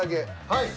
はい。